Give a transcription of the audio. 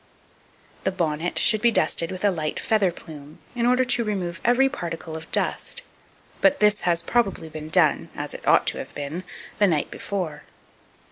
2244. The bonnet should be dusted with a light feather plume, in order to remove every particle of dust; but this has probably been done, as it ought to have been, the night before.